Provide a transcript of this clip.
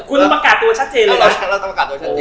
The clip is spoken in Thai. คุณประกาศตัวชัดเจนเลยนะ